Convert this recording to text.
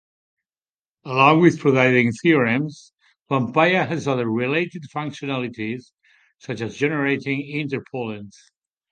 Along with proving theorems, Vampire has other related functionalities such as generating interpolants.